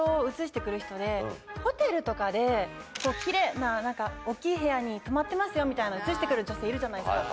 ホテルとかでキレイな大っきい部屋に泊まってますよみたいな映して来る女性いるじゃないですか。